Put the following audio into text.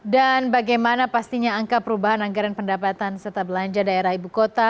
dan bagaimana pastinya angka perubahan anggaran pendapatan serta belanja daerah ibu kota